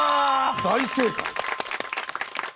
大正解！